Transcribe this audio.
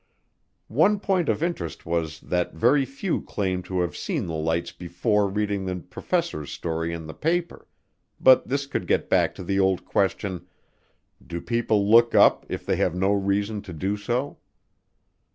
One point of interest was that very few claimed to have seen the lights before reading the professors' story in the paper, but this could get back to the old question, "Do people look up if they have no reason to do so?"